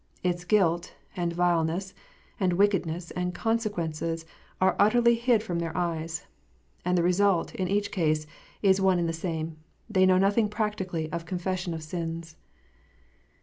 Its guilt, and vileness, and wickedness, and consequences, are utterly hid from their eyes. And the result, in each case, is one and the same. They know nothing practically of confession of sins.